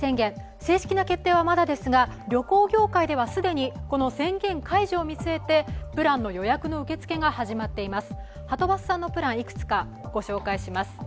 正式な決定はまだですが旅行業界ではすでにこの宣言解除を見据えてプランの予約の受け付けが始まっています。